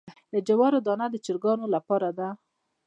د جوارو دانه د چرګانو لپاره ده.